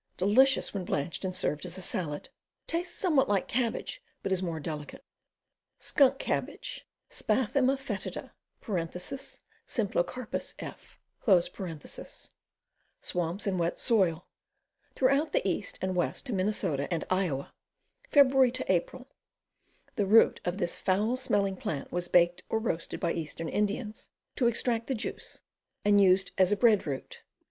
Delicious when blanched and served as a salad. Tastes somewhat like cabbage, but is much more delicate. Skunk Cabbage. Spathyema fcetida (Symplocarpus /.). Swamps and wet soil. Throughout the east, and west to Minn, and Iowa. Feb. April. The root of this foul smelling plant was baked or roasted by eastern Indians, to extract the juice, and used as a bread root.